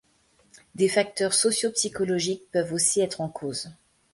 Des facteurs sociopsychologiques peuvent aussi être en cause.